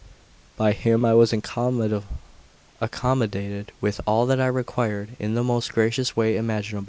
By him I was accommodated with all that I required in the most gracious way imaginable.